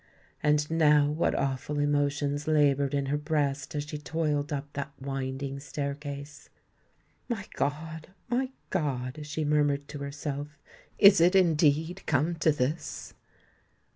And now what awful emotions laboured in her breast as she toiled up that winding staircase. "My God! my God!" she murmured to herself; "is it indeed come to this?"